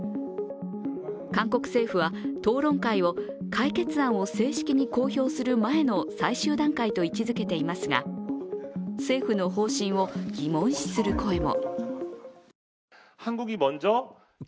韓国政府は、討論会を解決案を正式に公表する前の最終段階と位置づけていますが政府の方針を疑問視する声も。